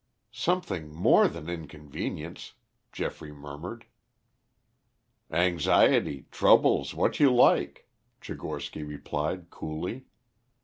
"Something more than inconvenience," Geoffrey murmured. "Anxiety, troubles, what you like," Tchigorsky replied coolly.